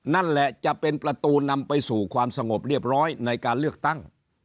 นั่นแหละจะเป็นประตูนำไปสู่ความสงบเรียบร้อยในการเลือกตั้ง